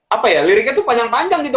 apa ya liriknya tuh panjang panjang gitu